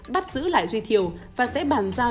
bắt xử lại duy thiều và sẽ bàn giao